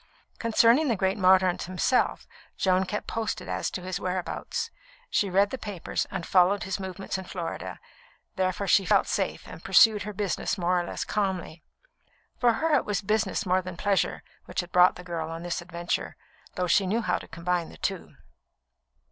Concerning the great Mordaunt himself Joan kept posted as to his whereabouts. She read the papers and followed his movements in Florida; therefore she felt safe and pursued her business more or less calmly. For it was business more than pleasure which had brought the girl on this adventure, though she knew how to combine the two.